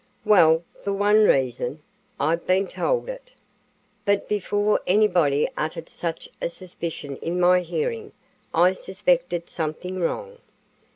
"Well, for one reason, I've been told it. But before anybody uttered such a suspicion in my hearing, I suspected something wrong.